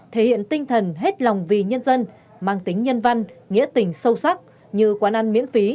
thể hiện tinh thần hết lòng vì nhân dân mang tính nhân văn nghĩa tình sâu sắc như quán ăn miễn phí